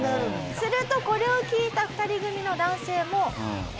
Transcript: するとこれを聞いた２人組の男性も「え？